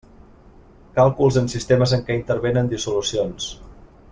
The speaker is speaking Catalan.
Càlculs en sistemes en què intervenen dissolucions.